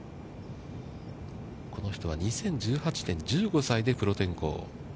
この人は２０１８年、１５歳でプロ転向。